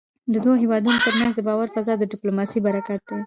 د دوو هېوادونو ترمنځ د باور فضا د ډيپلوماسی برکت دی .